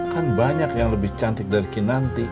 kan banyak yang lebih cantik dari kinanti